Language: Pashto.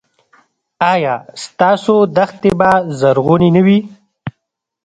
ایا ستاسو دښتې به زرغونې نه وي؟